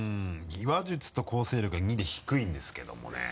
話術と構成力は「２」で低いんですけどもね。